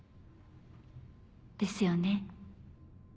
ですよね。